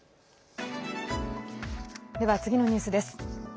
では、次のニュースです。